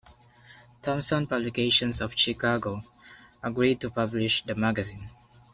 Thompson Publications of Chicago agreed to publish the magazine.